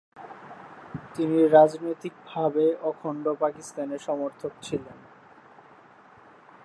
তিনি রাজনৈতিক ভাবে অখণ্ড পাকিস্তানের সমর্থক ছিলেন।